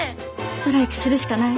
ストライキするしかない。